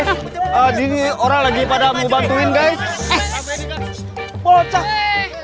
ini orang lagi pada membantuin guys